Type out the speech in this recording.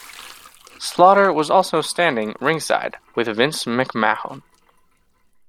Slaughter was also standing at ringside with Vince McMahon.